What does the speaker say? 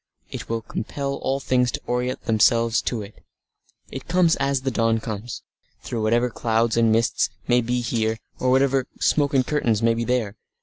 It will compel all things to orient themselves to it. It comes as the dawn comes, through whatever clouds and mists may be here or whatever smoke and curtains may be there.